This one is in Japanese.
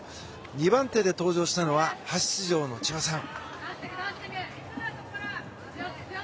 ２番手で登場したのは初出場の千葉さん。